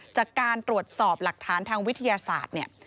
จากการตรวจสอบหลักฐานทางวิทยาศาสตร์เนี่ย